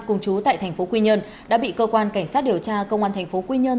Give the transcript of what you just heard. cùng chú tại tp quy nhơn đã bị cơ quan cảnh sát điều tra công an tp quy nhơn